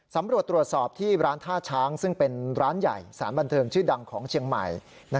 สำรวจตรวจสอบที่ร้านท่าช้างซึ่งเป็นร้านใหญ่สารบันเทิงชื่อดังของเชียงใหม่